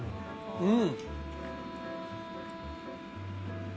うん